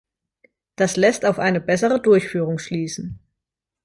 Das lässt auf eine bessere Durchführung schließen.